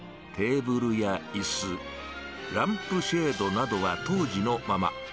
テーブルやいす、ランプシェードなどは当時のまま。